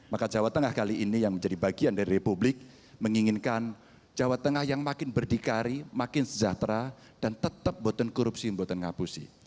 maka jawa tengah kali ini yang menjadi bagian dari republik menginginkan jawa tengah yang makin berdikari makin sejahtera dan tetap boten korupsi boten ngapusi